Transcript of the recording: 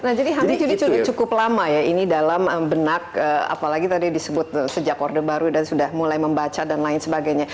nah jadi hampir cukup lama ya ini dalam benak apalagi tadi disebut sejak order baru dan sudah mulai membaca dan lain sebagainya